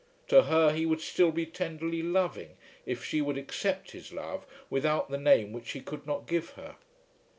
To her he would still be tenderly loving, if she would accept his love without the name which he could not give her.